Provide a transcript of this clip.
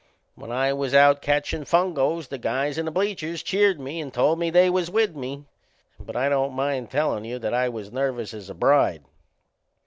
When I was out catchin' fungoes the guys in the bleachers cheered me and told me they was with me; but I don't mind tellin' you that I was as nervous as a bride.